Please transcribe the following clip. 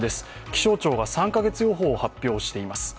気象庁が３カ月予報を発表しています。